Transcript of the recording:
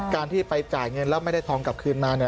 การที่ไปจ่ายเงินแล้วไม่ได้ทองกลับคืนมา